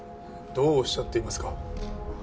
どうおっしゃっていますか？